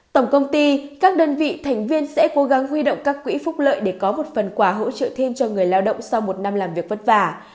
tổng công ty các đơn vị thành viên sẽ cố gắng huy động các quỹ phúc lợi để có một phần quà hỗ trợ thêm cho người lao động sau một năm làm việc vất vả